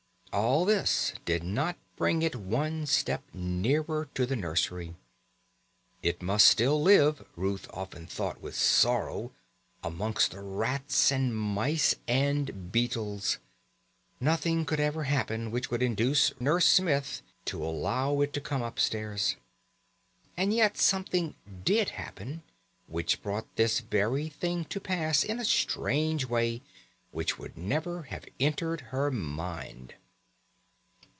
All this did not bring it one step nearer to the nursery. It must still live, Ruth often thought with sorrow, amongst the rats and mice and beetles. Nothing could ever happen which would induce Nurse Smith to allow it to come upstairs. And yet something did happen which brought this very thing to pass in a strange way which would never have entered her mind.